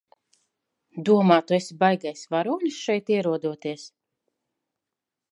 Domā tu esi baigais varonis šeit ierodoties?